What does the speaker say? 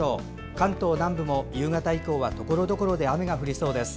関東南部も夕方以降はところどころで雨が降りそうです。